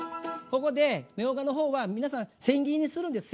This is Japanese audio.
ここでみょうがの方は皆さんせん切りにするんです。